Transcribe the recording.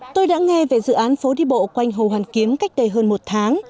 tôi đã nghe về dự án phố đi bộ quanh hồ hoàn kiếm cách đây hơn một tháng